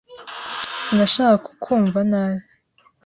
Sinashakaga kukwumva nabi.